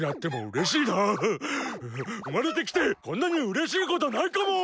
うまれてきてこんなにうれしいことないかも！